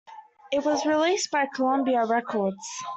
It was released by Columbia Records.